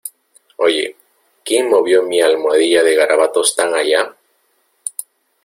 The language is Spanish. Oye, ¿ quién movió mi almohadilla de garabatos tan allá?